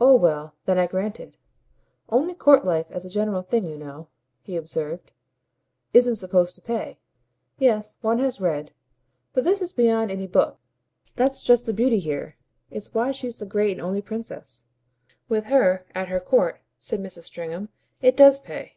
"Oh well then I grant it. Only court life as a general thing, you know," he observed, "isn't supposed to pay." "Yes, one has read; but this is beyond any book. That's just the beauty here; it's why she's the great and only princess. With her, at her court," said Mrs. Stringham, "it does pay."